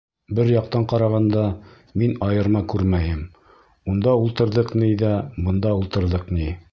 Бер яҡтан ҡарағанда мин айырма күрмәйем, унда ултырҙыҡ ни ҙә, бында ултырҙыҡ ни.